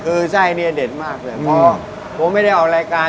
คือไส้เนี่ยเด็ดมากเลยเพราะผมไม่ได้ออกรายการ